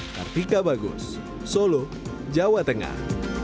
kartika bagus solo jawa tengah